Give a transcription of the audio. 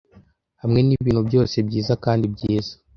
Hamwe nibintu byose byiza kandi byiza.